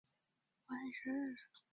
力抵王安石。